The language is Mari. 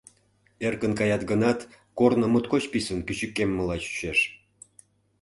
Эркын каят гынат, корно моткоч писын кӱчыкеммыла чучеш.